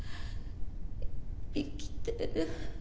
生きてる